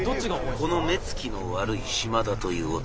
この目つきの悪い島田という男